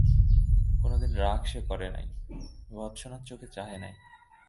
কোনোদিন রাগ সে করে নাই, ভর্ৎসনার চোখে চাহে নাই।